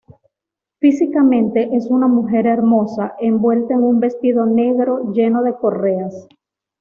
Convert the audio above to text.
Físicamente, es una mujer hermosa envuelta en un vestido negro lleno de correas.